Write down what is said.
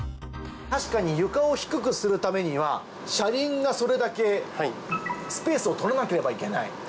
確かに床を低くするためには車輪がそれだけスペースを取らなければいけない。